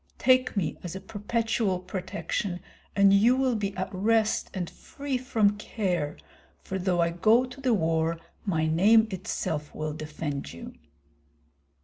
Take me as a perpetual protection, and you will be at rest and free from care, for though I go to the war my name itself will defend you."